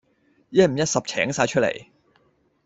一五一十請曬出嚟